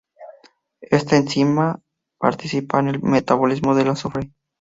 Esta enzima participa en el metabolismo del azufre.